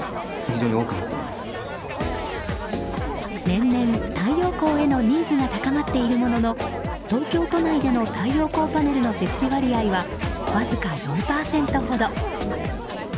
年々、太陽光へのニーズが高まっているものの東京都内での太陽光パネルの設置割合はわずか４％ほど。